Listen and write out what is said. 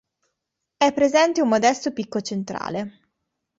È presente un modesto picco centrale.